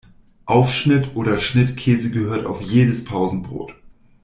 Aufschnitt oder Schnittkäse gehört auf jedes Pausenbrot.